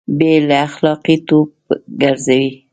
بې له اخلاقي توب ګرځوي